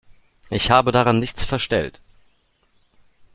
Ich habe daran nichts verstellt.